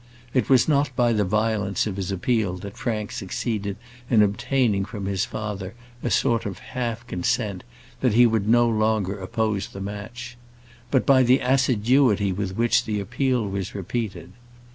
It was not by the violence of his appeal that Frank succeeded in obtaining from his father a sort of half consent that he would no longer oppose the match; but by the assiduity with which the appeal was repeated.